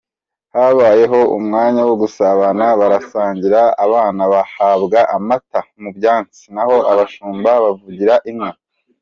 Habayeho umwanya wo gusabana, barasangira, abana bahabwa amata mu byansi naho abashumba bavugira inka.